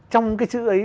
trong cái chữ ấy